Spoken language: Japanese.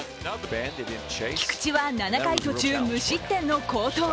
菊池は７回途中無失点の好投。